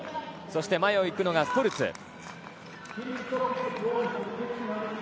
そして前を行くのがストルツ。